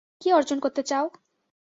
কী অর্জন করতে চাও!